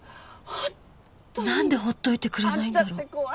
なんでほっといてくれないんだろう